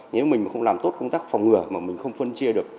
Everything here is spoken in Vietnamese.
nếu mình mà không làm tốt công tác phòng ngừa mà mình không phân chia được